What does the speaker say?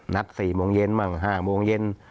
นัด๔โมงเย็นมั่ง๕โมงเย็น